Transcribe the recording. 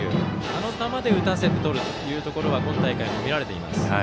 あの球で打たせてとるところが今大会も見られています。